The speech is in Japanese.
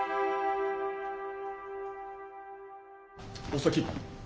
お先。